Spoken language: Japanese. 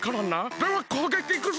ではこうげきいくぞ！